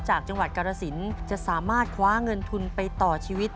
จากจังหวัดกรสินจะสามารถคว้าเงินทุนไปต่อชีวิต